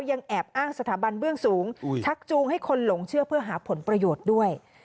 ยังแอบอ้างสถาบันเบื้องสูงชักจูงให้คนหลงเชื่อเพื่อหาผลประโยชน์ด้วย